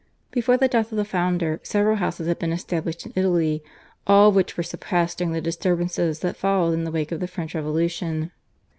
Before the death of the founder several houses had been established in Italy, all of which were suppressed during the disturbances that followed in the wake of the French Revolution.